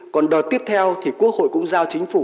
còn đợt tiếp theo thì quốc hội cũng giao chính phủ